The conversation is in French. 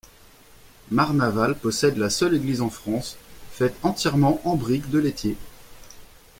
Marnaval possède la seule église en France faite entièrement en brique de laitier.